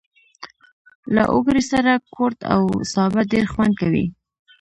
له اوگرې سره کورت او سابه ډېر خوند کوي.